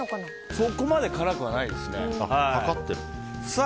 そこまで辛くはないですね。